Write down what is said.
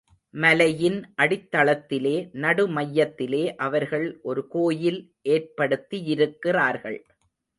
மலையின் அடித்தளத்திலே, நடு மையத்திலே அவர்கள் ஒரு கோயில் ஏற்படுத்தி யிருக்கிறார்கள்.